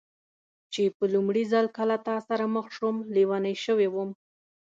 چې په لومړي ځل کله ستا سره مخ شوم، لېونۍ شوې وم.